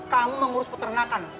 kamu mengurus peternakan